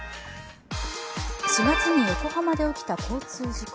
４月に横浜で起きた交通事故。